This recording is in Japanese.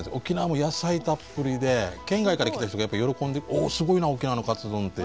もう野菜たっぷりで県外から来た人がやっぱり喜んで「おすごいな沖縄のカツ丼」って。